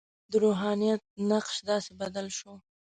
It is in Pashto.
د روحانیت نقش داسې بدل شو.